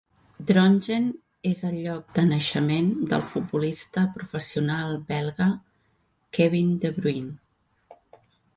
Drongen és el lloc de naixement del futbolista professional belga Kevin De Bruyne.